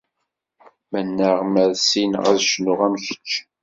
Mennaɣ mer ssineɣ ad cnuɣ am kečč.